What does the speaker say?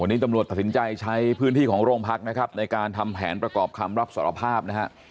วันนี้ตำรวจตัดสินใจใช้พื้นที่ของโรงพักนะครับในการทำแผนประกอบคำรับสารภาพนะฮะ